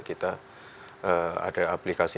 kita ada aplikasi